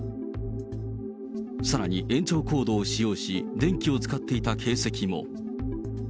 さらに延長コードを使用し、電気を使っていた形跡も。